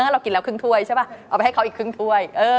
ถ้าเรากินแล้วครึ่งถ้วยใช่ป่ะเอาไปให้เขาอีกครึ่งถ้วย